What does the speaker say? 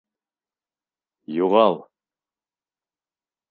Юғал!